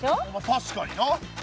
たしかにな。